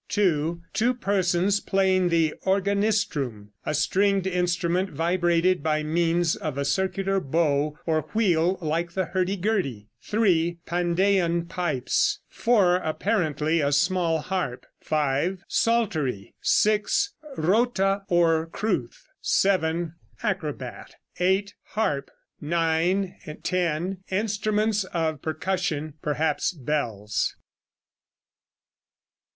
(2) Two persons playing the organistrum, a stringed instrument vibrated by means of a circular bow or wheel, like the hurdy gurdy. (3) Pandean pipes. (4) Apparently a small harp. (5) Psaltery. (6) Rotta or crwth. (7) Acrobat. (8) Harp. (9), (10) Instruments of percussion, perhaps bells.